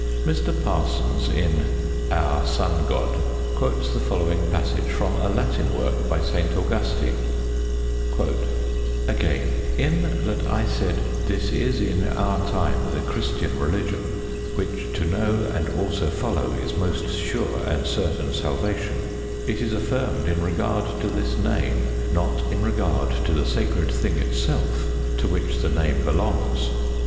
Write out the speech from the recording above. Mr. Parsons, in Our Sun God, quotes the following passage from a Latin work by St. Augustine: Again, in that I said, "This is in our time the Christian religion, which to know and also follow is most sure and certain salvation," it is affirmed in regard to this name, not in regard to the sacred thing itself to which the name belongs.